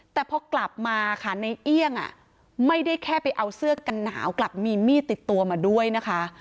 แต่พอกลับมาค่ะในเอี่ยงไม่ได้แค่ไปเอาเสื้อกันหนาวกลับมีมีดติดตัวมาด้วยนะคะ